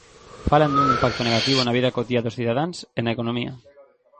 Falan dun impacto negativo na vida cotiá dos cidadáns e na economía.